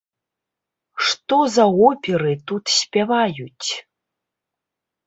Што за оперы тут спяваюць!